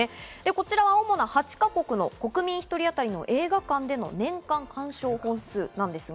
こちらは主な８か国の国民１人当たりの映画館での年間鑑賞本数です。